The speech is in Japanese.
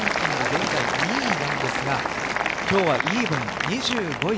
現在２位なんですが今日はイーブン２５位